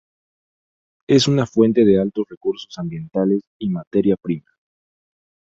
Es una fuente de altos recursos ambientales y materia prima.